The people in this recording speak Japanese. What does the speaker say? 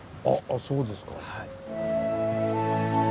あっそうですか。